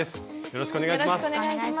よろしくお願いします。